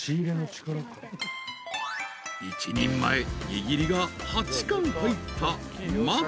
［一人前にぎりが８貫入った松］